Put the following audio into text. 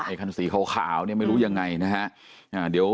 ไอ้คันสีขาวไม่รู้ยังไงนะฮะ